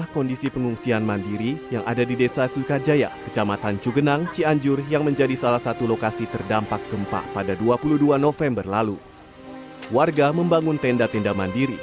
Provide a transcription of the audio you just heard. kondisi pengungsian mandiri